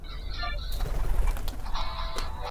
هر څوک د کار کولو حق لري.